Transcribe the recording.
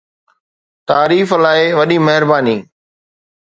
تعريف لاءِ وڏي مهرباني